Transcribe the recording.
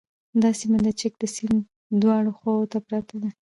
دا سیمه د چک د سیند دواړو خواوو ته پراته دي